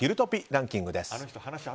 ランキングです。